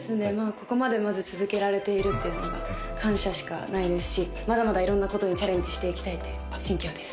ここまでまず続けられているっていうのが感謝しかないですしまだまだ色んなことにチャレンジしていきたいという心境です